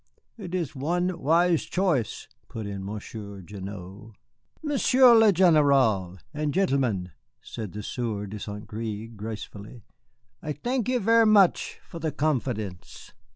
"It is one wise choice," put in Monsieur Gignoux. "Monsieur le général and gentlemen," said the Sieur de St. Gré, gracefully, "I thank you ver' much for the confidence.